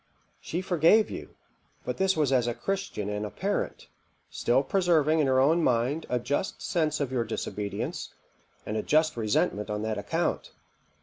She forgave you; but this was as a Christian and a parent; still preserving in her own mind a just sense of your disobedience, and a just resentment on that account.